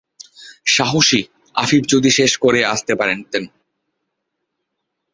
‘সাহসী’ আফিফ যদি শেষ করে আসতে পারতেন!